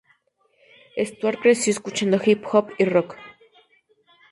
Stuart creció escuchando hip hop y rock.